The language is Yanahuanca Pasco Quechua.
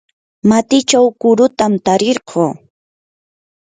matichaw kurutam tarirquu.